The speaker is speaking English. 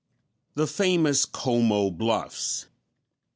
_The Famous Como Bluffs.